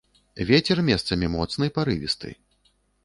Вецер месцамі моцны парывісты.